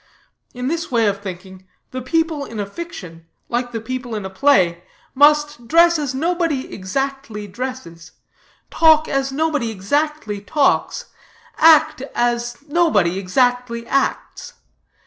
In this way of thinking, the people in a fiction, like the people in a play, must dress as nobody exactly dresses, talk as nobody exactly talks, act as nobody exactly acts.